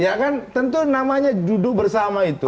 ya kan tentu namanya judu bersama itu